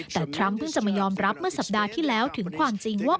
แต่ทรัมป์เพิ่งจะมายอมรับเมื่อสัปดาห์ที่แล้วถึงความจริงว่า